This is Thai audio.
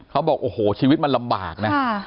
เขาบอกโอ้โหชีวิตมันลำบากนะ